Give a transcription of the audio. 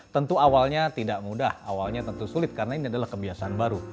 tentu awalnya tidak mudah awalnya tentu sulit karena ini adalah kebiasaan baru